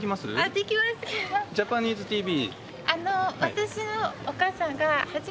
ジャパニーズＴＶ。